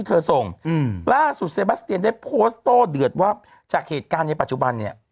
เตรียมได้โพสโต้เดือดว่าจากเหตุการณ์ในปัจจุบันเนี่ย